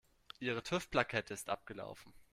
Ihre TÜV-Plakette ist abgelaufen.